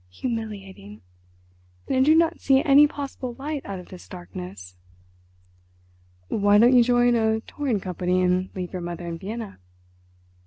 Humiliating! And I do not see any possible light out of this darkness." "Why don't you join a touring company and leave your mother in Vienna?"